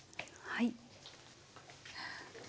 はい。